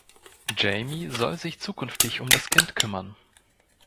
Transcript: Jamie soll sich zukünftig um das Kind kümmern.